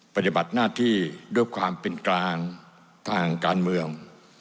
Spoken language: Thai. ปฏิบัติหน้าที่ด้วยความเป็นกลางทางการเมือง